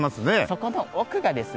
そこの奥がですね